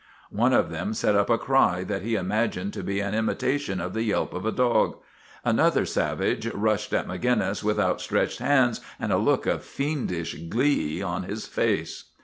One of them set up a cry that he imagined to be an imitation of the yelp of a dog. Another savage rushed at Maginnis with outstretched hands and a look of fiendish glee on his face.